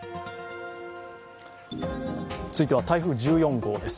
続いては台風１４号です。